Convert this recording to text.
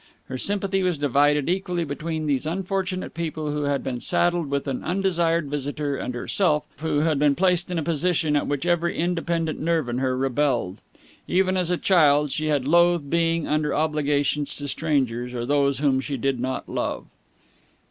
Her sympathy was divided equally between these unfortunate people who had been saddled with an undesired visitor and herself who had been placed in a position at which every independent nerve in her rebelled. Even as a child she had loathed being under obligations to strangers or those whom she did not love.